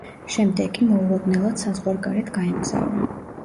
შემდეგ კი მოულოდნელად საზღვარგარეთ გაემგზავრა.